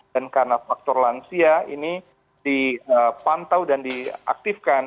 dan karena faktor lansia ini dipantau dan diaktifkan